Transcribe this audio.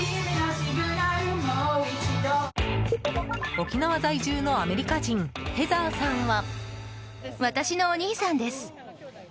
沖縄在住のアメリカ人ヘザーさんは。